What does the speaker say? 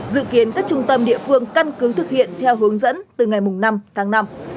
dự kiến các trung tâm địa phương căn cứ thực hiện theo hướng dẫn từ ngày năm tháng năm